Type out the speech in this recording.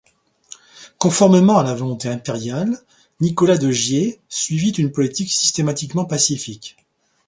Conformément à la volonté impériale, Nicolas de Giers suivit une politique systématiquement pacifique.